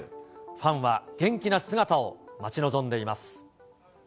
ファンは元気な姿を待ち望んでいます。